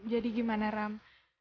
jadi gimana ram